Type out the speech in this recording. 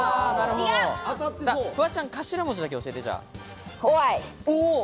フワちゃん、頭文字だけ教えＹ。